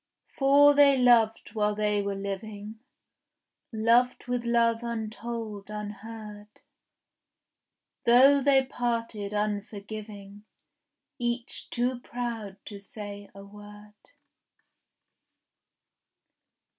For they loved while they were living, Loved with love untold, unheard; Though they parted unforgiving, Each too proud to say a word.